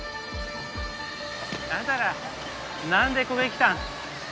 あんたらなんでここへ来たん？